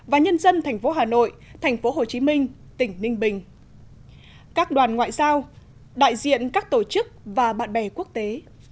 và nhân dân thành phố hà nội thành phố hồ chí minh tỉnh ninh bình các đoàn ngoại giao đại diện các tổ chức và bạn bè quốc tế